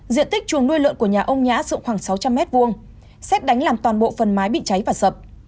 diện tích chuồng nuôi lợn của nhà ông nhã rộng khoảng sáu trăm linh m hai xét đánh làm toàn bộ phần mái bị cháy và sập